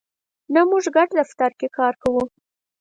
نه، موږ ګډ دفتر کی کار کوو